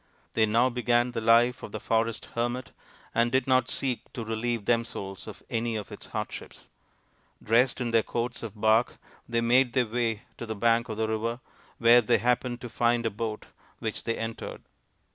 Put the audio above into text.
They now began the life of the forest hermit and did not seek to relieve themselves of any of its hardships. Dressed in their coats of bark, they made their way to the bank of the river, where they happened to find a boat, which they entered.